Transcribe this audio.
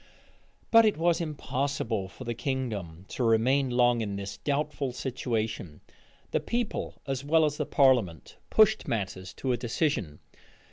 But it was impossible for the kingdom to remain long in this doubtful situation: the people, as well as the parliament, pushed matters to a decision.